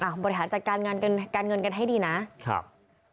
ขอบคุณครับขอบคุณครับ